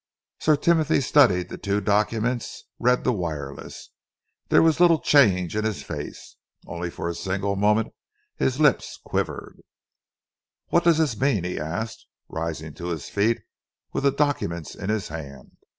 Sir Timothy studied the two documents, read the wireless. There was little change in his face. Only for a single moment his lips quivered. "What does this mean?" he asked, rising to his feet with the documents in his hand.